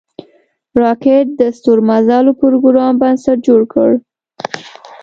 راکټ د ستورمزلو پروګرام بنسټ جوړ کړ